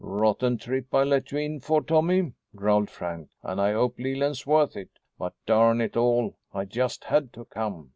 "Rotten trip I let you in for Tommy," growled Frank, "and I hope Leland's worth it. But, darn it all, I just had to come."